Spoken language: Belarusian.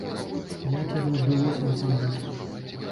Як яно адбылося насамрэч?